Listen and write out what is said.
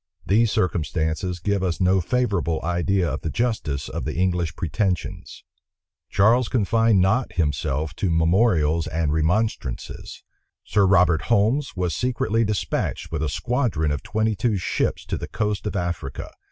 [*] These circumstances give us no favorable idea of the justice of the English pretensions. * Temple, vol. ii, p. 42. Charles confined not himself to memorials and remonstrances. Sir Robert Holmes was secretly despatched with a squadron of twenty two ships to the coast of Africa.